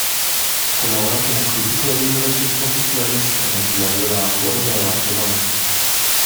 Colabora como crítico de libros y exposiciones en el diario La Vanguardia de Barcelona.